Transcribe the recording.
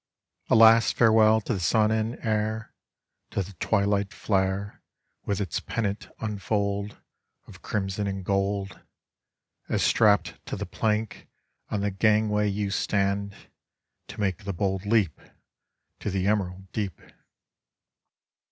A last farewell to the sun and air, To the twilight flare Tftth its pennant unfold Of criuson and gold! As strapped to the plank On the ^an/rway you stand, To make the bold leap To the prior aid deep.